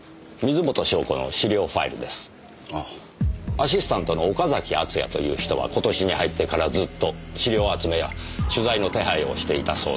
アシスタントの岡崎敦也という人は今年に入ってからずっと資料集めや取材の手配をしていたそうです。